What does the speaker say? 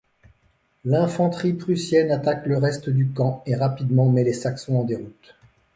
L'infanterie prussienne attaque le reste du camp et rapidement met les Saxons en déroute.